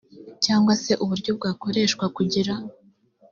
cyangwa se uburyo bwakoreshwa kugira